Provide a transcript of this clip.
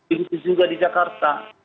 itu juga di jakarta